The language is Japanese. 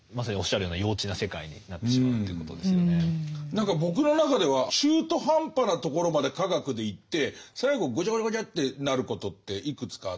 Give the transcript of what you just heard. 何か僕の中では中途半端なところまで科学でいって最後ごちゃごちゃごちゃってなることっていくつかあって。